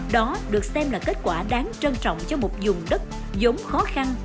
đó được xem là kết quả đáng trân trọng cho một dùng đất giống khó khăn